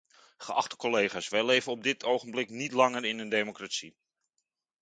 Geachte collega's, wij leven op dit ogenblik niet langer in een democratie.